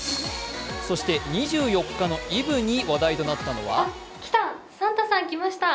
そして２４日のイブに話題となったのはあ、来た、サンタさん来ました！